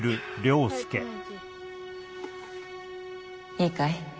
いいかい？